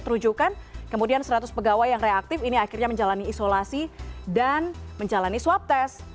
terujukan kemudian seratus pegawai yang reaktif ini akhirnya menjalani isolasi dan menjalani swab test